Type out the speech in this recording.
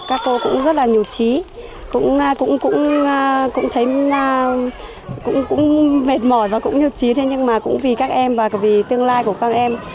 các cô cũng rất là nhục trí cũng thấy mệt mỏi và cũng nhục trí thế nhưng mà cũng vì các em và vì tương lai của các em